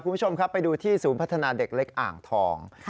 คุณผู้ชมครับไปดูที่ศูนย์พัฒนาเด็กเล็กอ่างทอง